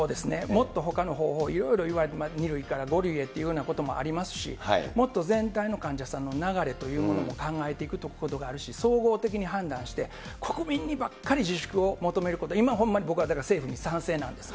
もっとほかの方法、いろいろいわれて、２類から５類へということもありますし、もっと全体の患者さんの流れというものも考えていくことがあるし、総合的に判断して国民にばっかり自粛を求めること、今ほんまに僕は政府に賛成なんです。